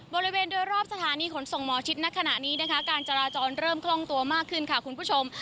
บริเวณโดยรอบสถานีขนส่งหมอชิดในขณะนี้นะคะการจราจรเริ่มคล่องตัวมากขึ้นค่ะคุณผู้ชม